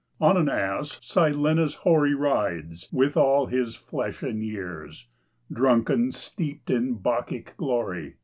On an ass Silenus hoary Rides, with all his flesh and years, Drunken, steeped in Bacchic glory.